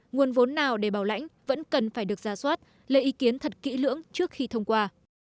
nguồn vốn nào để bảo lãnh vẫn cần phải được ra soát lấy ý kiến thật kỹ lưỡng trước khi thông qua